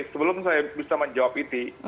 sebelum saya bisa menjawab itu